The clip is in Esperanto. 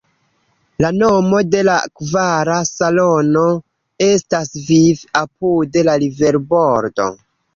La nomo de la kvara salono estas "Vivi apud la riverbordo".